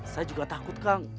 saya juga takut kang